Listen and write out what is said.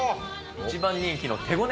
一番人気の手ごね